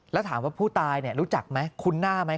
แล้วถามว่าผู้ตายรู้จักไหมคุ้นหน้าไหม